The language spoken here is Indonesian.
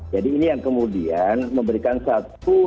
jadi ini yang kemudian memberikan satu daya tahan tubuh